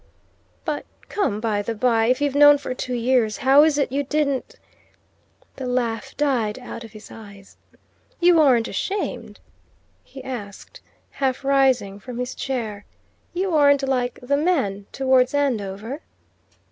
"But come, by the bye, if you've known for two years, how is it you didn't " The laugh died out of his eyes. "You aren't ashamed?" he asked, half rising from his chair. "You aren't like the man towards Andover?"